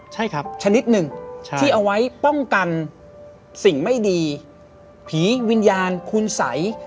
ใช่ครับชนิดหนึ่งที่เอาไว้ป้องกันสิ่งไม่ดีผีวิญญาณคุณสัย